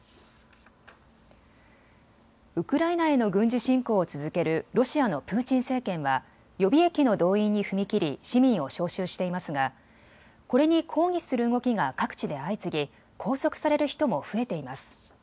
ウクライナへの軍事侵攻を続けるロシアのプーチン政権は予備役の動員に踏み切り市民を招集していますがこれに抗議する動きが各地で相次ぎ、拘束される人も増えています。